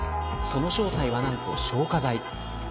その正体は何と消火剤。